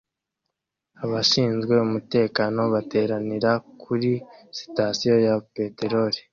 Abashinzwe umutekano bateranira kuri sitasiyo ya Patrol